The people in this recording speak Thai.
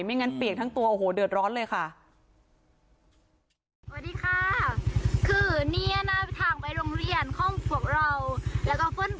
งั้นเปียกทั้งตัวโอ้โหเดือดร้อนเลยค่ะ